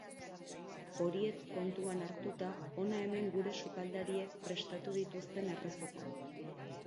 Horiek kontuan hartuta, hona hemen gure sukaldariek prestatu dituzten errezetak.